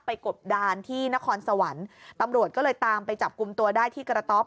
กบดานที่นครสวรรค์ตำรวจก็เลยตามไปจับกลุ่มตัวได้ที่กระต๊อบ